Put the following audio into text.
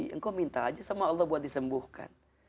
engkau minta aja sama allah buat disembuhkan